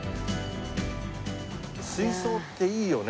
水槽っていいよね。